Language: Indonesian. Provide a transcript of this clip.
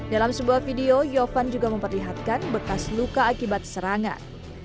dalam sebuah video yofan juga memperlihatkan bekas luka akibat serangan